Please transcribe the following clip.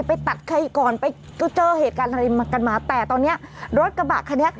ไปตัดข่ายก่อนจะเหตุการณ์อะไรมากมายแต่ตอนนี้รถกระบะคันนี้